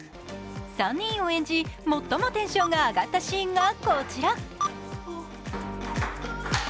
３人を演じ、最もテンションが上がったシーンがこちら。